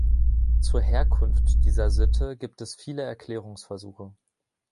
Zur Herkunft dieser Sitte gibt es viele Erklärungsversuche.